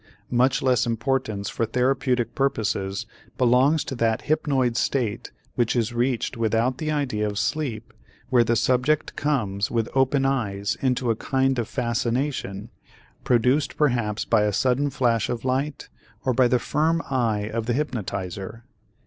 Much less importance for therapeutic purposes belongs to that hypnoid state which is reached without the idea of sleep where the subject comes with open eyes into a kind of fascination, produced perhaps by a sudden flash of light or by the firm eye of the hypnotizer.